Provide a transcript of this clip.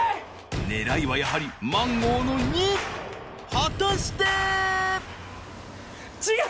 狙いはやはりマンゴーの「２」違う！